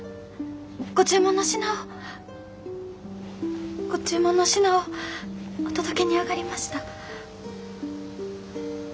ご注文の品をご注文の品をお届けにあがりました。